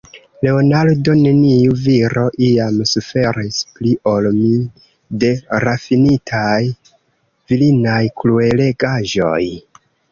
Leonardo, neniu viro iam suferis pli ol mi de rafinitaj virinaj kruelegaĵoj.